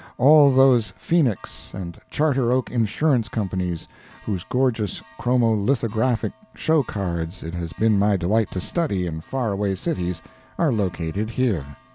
All those Phoenix and Charter Oak Insurance Companies, whose gorgeous chromo lithographic show cards it has been my delight to study in far away cities, are located here.